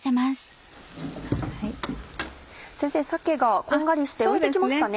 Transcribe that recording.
先生鮭がこんがりして浮いて来ましたね。